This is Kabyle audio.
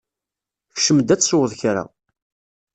Kcem-d ad tesweḍ kra.